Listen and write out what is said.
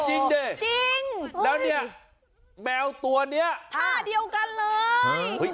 จริงสิเจ้าแมวตัวเนี่ยผ้าเหลียวกัน